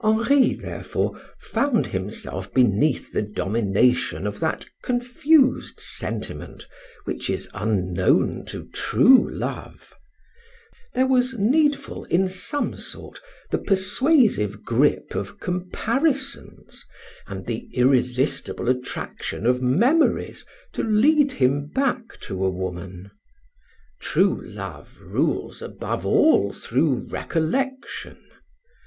Henri, therefore, found himself beneath the domination of that confused sentiment which is unknown to true love. There was needful, in some sort, the persuasive grip of comparisons, and the irresistible attraction of memories to lead him back to a woman. True love rules above all through recollection.